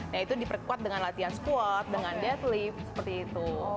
yaitu diperkuat dengan latihan squat dengan deadlift seperti itu